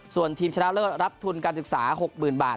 ส่วนทีมชนะเลิศรับทุนการศึกษา๖๐๐๐บาท